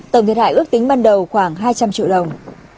tổng thiệt hại ước tính ban đầu khoảng hai trăm linh triệu đồng